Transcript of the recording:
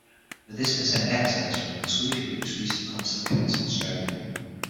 The disc contained excerpts from the Swedish group's recent concert appearance in Australia.